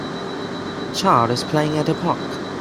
A child is playing at a park.